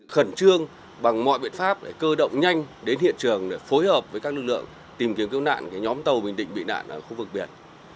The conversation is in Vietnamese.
khẩn trương bằng mọi biện pháp để cơ động nhanh đến hiện trường để phối hợp với các lực lượng tìm kiếm cứu nạn nhóm tàu bình định bị nạn ở khu vực biển